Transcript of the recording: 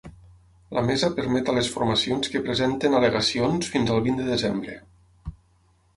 La mesa permet a les formacions que presentin al·legacions fins al vint de desembre.